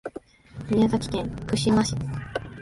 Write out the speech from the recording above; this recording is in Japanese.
宮崎県串間市